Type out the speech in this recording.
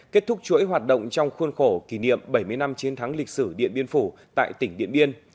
kết thúc chuỗi hoạt động trong khuôn khổ kỷ niệm bảy mươi năm chiến thắng lịch sử điện biên phủ tại tỉnh điện biên